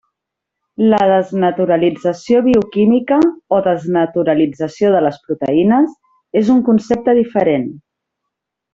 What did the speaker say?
La desnaturalització bioquímica o desnaturalització de les proteïnes és un concepte diferent.